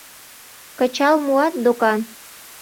Кычал муат докан?